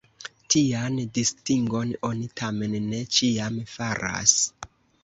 Tian distingon oni tamen ne ĉiam faras.